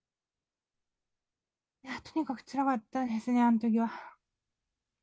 いや、とにかくつらかったですね、あのときは。